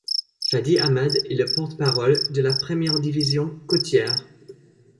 Fadi Ahmad est le porte-parole de la Première division côtière.